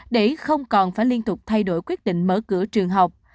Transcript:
để không còn phải liên tục thay đổi quyết định mở cửa trường học